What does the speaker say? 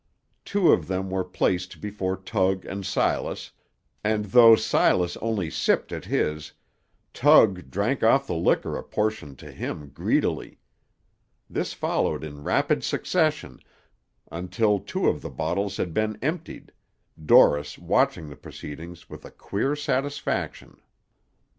Two of them were placed before Tug and Silas, and though Silas only sipped at his, Tug drank off the liquor apportioned to him greedily. This followed in rapid succession, until two of the bottles had been emptied, Dorris watching the proceedings with a queer satisfaction.